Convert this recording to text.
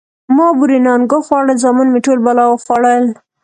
ـ ما بورې نانګه خوړل، زامن مې ټول بلا وخوړل.